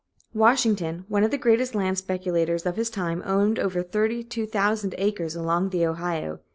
Washington, one of the greatest land speculators of his time, owned over 32,000 acres along the Ohio.